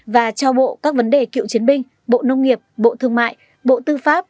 và cho bộ các vấn đề cựu chiến binh bộ nông nghiệp bộ thương mại bộ tư pháp